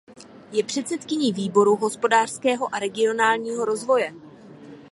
Je předsedkyní výboru hospodářského a regionálního rozvoje.